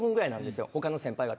他の先輩方。